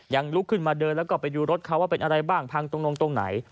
ลุกขึ้นมาเดินแล้วก็ไปดูรถเขาว่าเป็นอะไรบ้างพังตรงนงตรงไหน